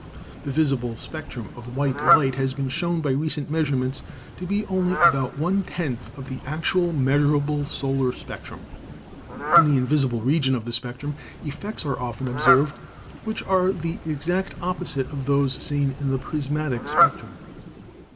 The visible spectrum of "white" light has been shown by recent measurements to be only about one tenth of the actual measurable solar spectrum. In the invisible region of the spectrum effects are often observed which are the exact opposite of those seen in the prismatic spectrum.